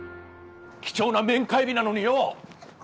貴重な面会日なのによお！